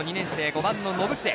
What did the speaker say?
５番の延末。